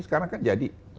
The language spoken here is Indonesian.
sekarang kan jadi